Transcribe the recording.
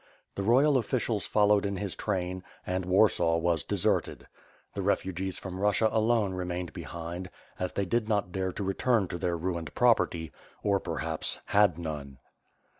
The royal officials followed in his train, and Warsaw was deserted. The refugees from Rus sia alone remained behind, as they did not dare to return to their ruined property; or, perhaps, had none.